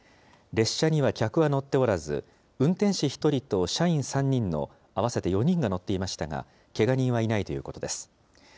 列車には客は乗っておらず、運転士１人と社員３人の合わせて４人が乗っていましたが、けが人はいないということです。